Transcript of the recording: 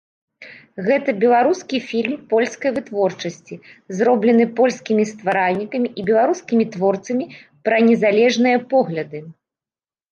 Гэта беларускі фільм польскай вытворчасці, зроблены польскімі стваральнікамі і беларускімі творцамі пра незалежныя погляды.